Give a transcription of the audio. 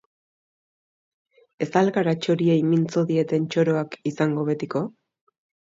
Ez al gara txoriei mintzo dieten txoroak izango betiko?